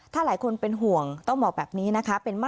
ถ้าหลายคนเป็นห่วงต้องบอกแบบนี้นะคะ